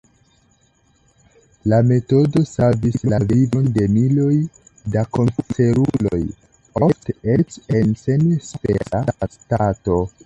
La metodo savis la vivon de miloj da kanceruloj, ofte eĉ el senespera stato.